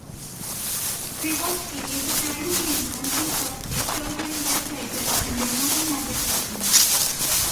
Privoxy is a "privacy enhancing proxy", filtering web pages and removing advertisements.